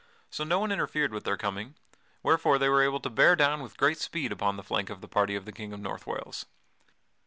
So no one interfered with their coming, wherefore they were able to bear down with great speed upon the flank of the party of the King of North Wales.